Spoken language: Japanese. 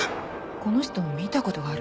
この人を見たことがある。